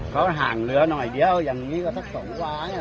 เขาห่างเหลือหน่อยเดียวอย่างนี้ก็ถ้าส่งว้างเนี่ย